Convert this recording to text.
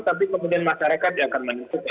tapi kemudian masyarakat akan menutupnya